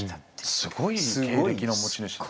すごい経歴の持ち主ですね。